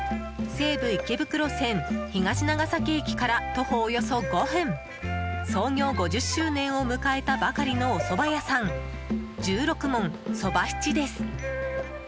西武池袋線東長崎駅から徒歩およそ５分創業５０周年を迎えたばかりのおそば屋さん十六文そば七です。